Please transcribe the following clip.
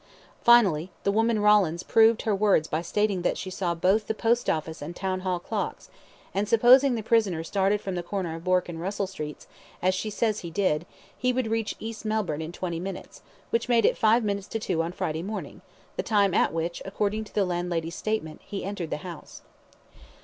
Finally, the woman Rawlins proved her words by stating that she saw both the Post Office and Town Hall clocks; and supposing the prisoner started from the corner of Bourke and Russell Streets, as she says he did, he would reach East Melbourne in twenty minutes, which made it five minutes to two on Friday morning, the time at which, according to the landlady's statement, he entered the house.